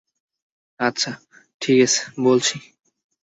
আচ্ছা, ঠিক আছে, বলছি।